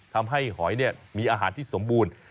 ทำให้หอยมีอาหารที่สมบูรณ์